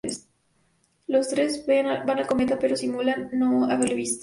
Los tres ven al cometa, pero simulan no haberlo visto.